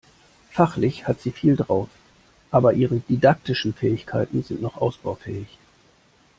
Fachlich hat sie viel drauf, aber ihre didaktischen Fähigkeiten sind noch ausbaufähig.